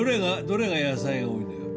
どれが野菜が多いのよ